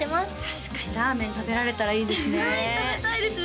確かにラーメン食べられたらいいですねはい食べたいです